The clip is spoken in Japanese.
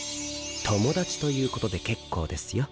⁉友達ということで結構ですよ。